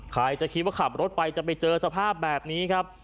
ใครจะคิดว่าขับรถไปจะไปเจอสภาพแบบนี้ครับ